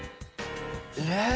えっ？